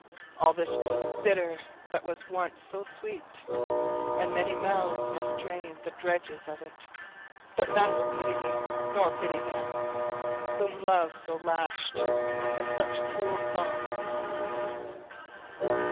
All this grows bitter that was once so sweet, And many mouths must drain the dregs of it, But none will pity me, nor pity him Whom Love so lashed, and with such cruel thongs.